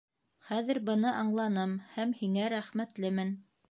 Хәҙер быны аңланым һәм һиңә рәхмәтлемен.